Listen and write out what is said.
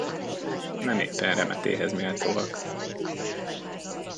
Nem éppen remetéhez méltóak.